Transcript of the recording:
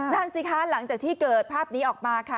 นั่นสิคะหลังจากที่เกิดภาพนี้ออกมาค่ะ